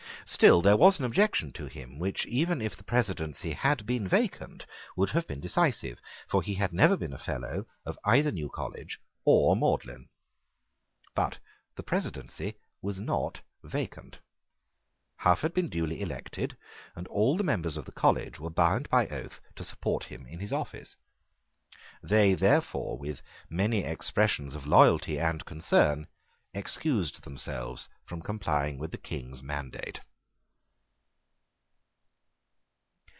Still there was an objection to him which, even if the presidency had been vacant, would have been decisive: for he had never been a Fellow of either New College or Magdalene. But the presidency was not vacant: Hough had been duly elected; and all the members of the college were bound by oath to support him in his office. They therefore, with many expressions of loyalty and concern, excused themselves from complying with the King's mandate.